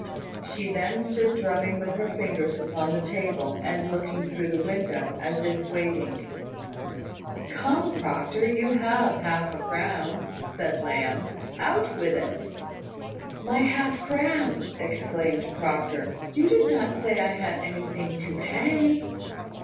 She then stood drumming with her fingers upon the table, and looking through the window, as if waiting. "Come, Proctor, you have half a crown," said Lamb. "Out with it!" "My half crown!" exclaimed Proctor. "You did not say I had anything to pay."